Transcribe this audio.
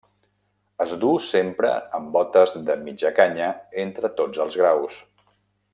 Es duu sempre amb botes de mitja canya entre tots els graus.